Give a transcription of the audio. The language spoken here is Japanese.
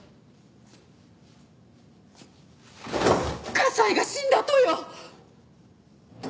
加西が死んだとよ！